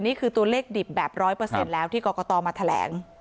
นี่คือตัวเลขดิบแบบร้อยเปอร์เซ็นต์แล้วที่กอกกะตอมาแถลง